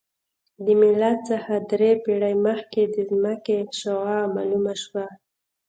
د میلاد څخه درې پېړۍ مخکې د ځمکې شعاع معلومه شوه